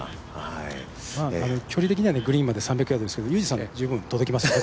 距離的にはグリーンまで３００ヤードですけどユージさんなら届きますね。